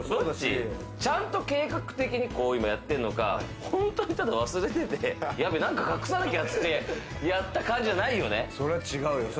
ちゃんと計画的にこう今やってるのか、本当にただ忘れてて、何か隠さなきゃってやったかじゃないよね。